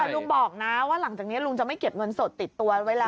แต่ลุงบอกนะว่าหลังจากนี้ลุงจะไม่เก็บเงินสดติดตัวไว้แล้ว